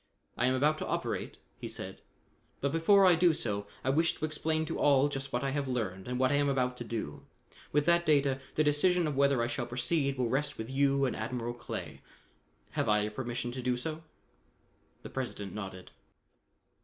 "I am about to operate," he said, "but before I do so, I wish to explain to all just what I have learned and what I am about to do. With that data, the decision of whether I shall proceed will rest with you and Admiral Clay. Have I your permission to do so?" The President nodded.